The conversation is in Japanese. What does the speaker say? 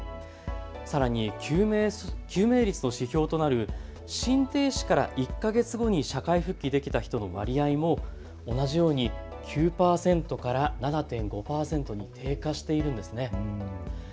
さらに救命率の指標となる心停止から１か月後に社会復帰できた人の割合も同じように９％から７．５％に低下しているんですね。